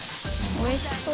おいしそう！